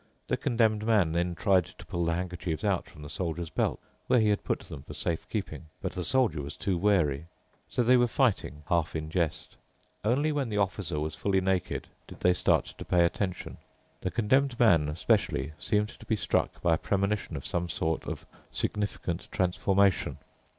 The Condemned Man then tried to pull the handkerchiefs out from the Soldier's belt, where he had put them for safe keeping, but the Soldier was too wary. So they were fighting, half in jest. Only when the Officer was fully naked did they start to pay attention. The Condemned Man especially seemed to be struck by a premonition of some sort of significant transformation.